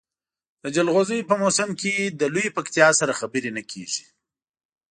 د جلغوزیو په موسم کې له لویې پکتیا سره خبرې نه کېږي.